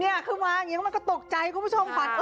เนี่ยขึ้นมาก็ตกใจคุณผู้ชม